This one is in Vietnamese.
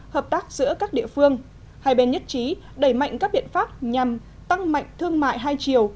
hợp tác giữa các địa phương hai bên nhất trí đẩy mạnh các biện pháp nhằm tăng mạnh thương mại hai chiều